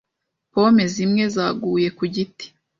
Pome zimwe zaguye ku giti.